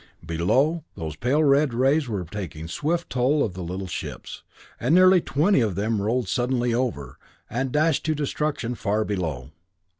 Below, those pale red rays were taking a swift toll of the little ships, and nearly twenty of them rolled suddenly over, and dashed to destruction far below.